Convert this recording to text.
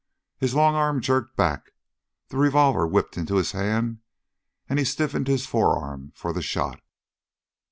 His long arm jerked back, the revolver whipped into his hand, and he stiffened his forearm for the shot.